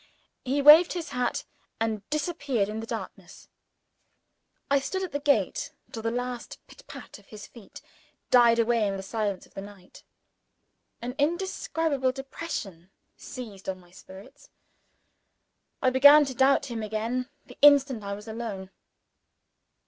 He waved his hat, and disappeared in the darkness. I stood at the gate till the last rapid pit pat of his feet died away in the silence of the night. An indescribable depression seized on my spirits. I began to doubt him again, the instant I was alone.